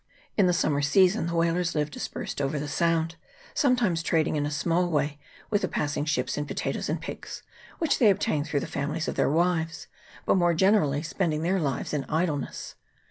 In the summer season the whalers live dispersed over the Sound ; sometimes trading in a small way with the passing ships in potatoes and pigs, which they obtain through the families of their wives, but more generally spending their lives in idleness.